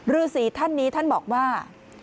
ฤษีท่านนี้ท่านบอกว่า